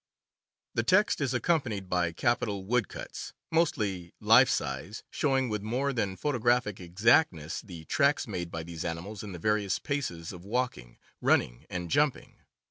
The text is accompanied by capital woodcuts, mostly life size, showing with more than photographic exactness the tracks made by these animals in the various paces of walking, running, and jumping.